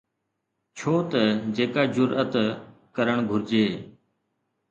ڇو ته جيڪا جرئت ڪرڻ گهرجي.